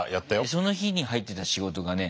その日に入ってた仕事がね